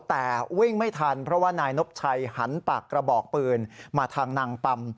แต่วิ่งไม่ทันเพราะว่านายนบชัยหันปากกระบอกปืนมาทางนางปำ